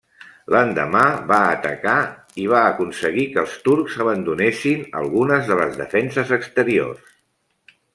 L'endemà va atacar i va aconseguir que els turcs abandonessin algunes de les defenses exteriors.